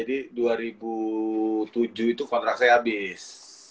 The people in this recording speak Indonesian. itu kontrak saya abis